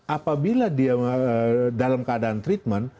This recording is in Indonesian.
apabila dia dalam keadaan treatment